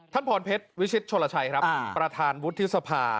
พรเพชรวิชิตชนลชัยครับประธานวุฒิสภา